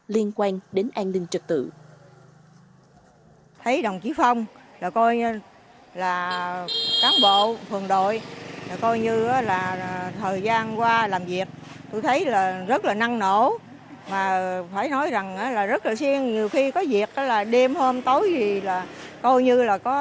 liên quan đến an ninh trật tự